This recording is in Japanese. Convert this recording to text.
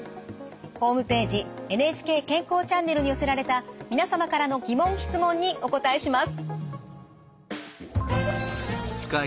ホームページ「ＮＨＫ健康チャンネル」に寄せられた皆様からの疑問・質問にお答えします。